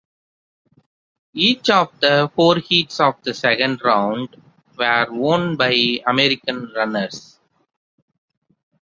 Each of the four heats of the second round were won by American runners.